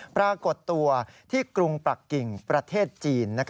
ปรากฏตัวที่กรุงปรักกิ่งประเทศจีน